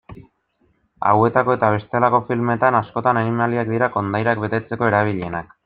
Hauetako eta bestelako filmetan, askotan animaliak dira kondairak betetzeko erabilienak.